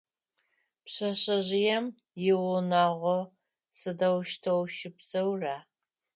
Пшъэшъэжъыем иунагъо сыдэущтэу щыпсэухэра?